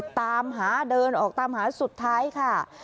ตามหาเดินออกตามหาสุดท้ายค่ะ